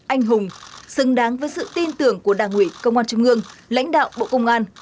anh hùng xứng đáng với sự tin tưởng của đảng ủy công an trung ương lãnh đạo bộ công an